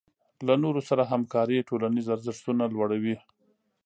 له نورو سره همکاري ټولنیز ارزښتونه لوړوي.